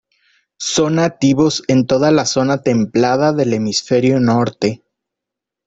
Son nativos en toda la zona templada del hemisferio norte.